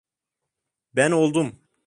Ben oldum.